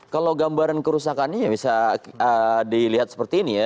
kalau gambaran kerusakannya ya bisa dilihat seperti ini ya